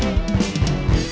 ya ini lagi serius